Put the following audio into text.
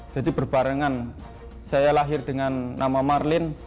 jadi berbarengan saya lahir dengan nama marlin